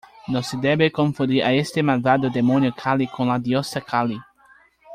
No se debe confundir a este malvado demonio Kali con la diosa Kali.